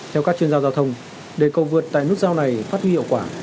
theo các chuyên gia giao thông để cầu vượt tại nút giao này phát huy hiệu quả